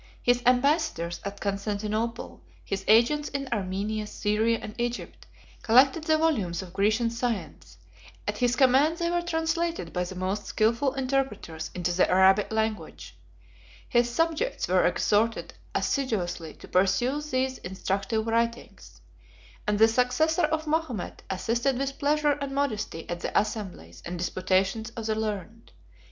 His ambassadors at Constantinople, his agents in Armenia, Syria, and Egypt, collected the volumes of Grecian science; at his command they were translated by the most skilful interpreters into the Arabic language: his subjects were exhorted assiduously to peruse these instructive writings; and the successor of Mahomet assisted with pleasure and modesty at the assemblies and disputations of the learned.